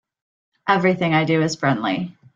Everything I do is friendly.